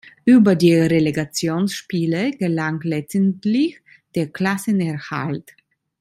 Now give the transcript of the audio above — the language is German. Über die Relegations-Spiele gelang letztendlich der Klassenerhalt.